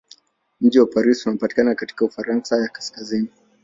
Mji wa Paris unapatikana katika Ufaransa ya kaskazini.